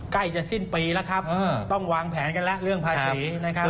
ใกล้จะสิ้นปีแล้วครับต้องวางแผนกันแล้วเรื่องภาษีนะครับ